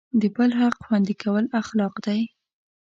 د بل حق خوندي کول اخلاق دی.